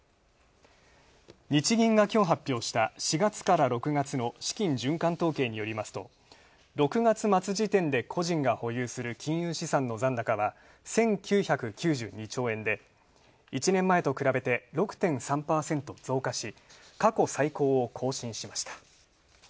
日銀が、きょう発表した４月から６月の資金循環統計によりますと６月末時点で個人が保有する金融資産の残高は１９９２兆円で１年前と比べて６．３％増加し過去最高を更新しました。